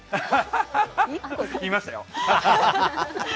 言いましたよ！